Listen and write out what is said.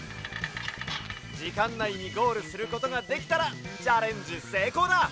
じかんないにゴールすることができたらチャレンジせいこうだ！